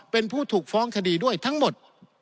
เป็นผู้ถูกฟ้องคดีด้วยทั้งหมด